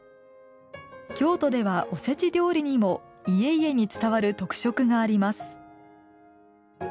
京都ではおせち料理にも家々に伝わる特色があります。